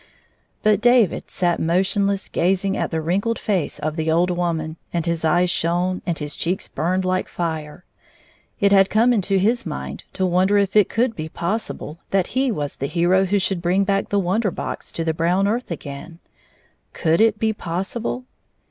But David sat motionlessly gazing at the wrinkled face of the old woman, and his eyes shone and his cheeks burned like fire. It had come into his mind to wonder if it could be possi ble that he was to be the hero who should bring back the Wonder Box to the brown earth again 1 could it be possible